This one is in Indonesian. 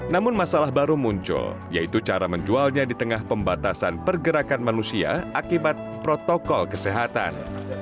namun masalah baru muncul yaitu cara menjualnya di tengah pembatasan pergerakan manusia akibat protokol kesehatan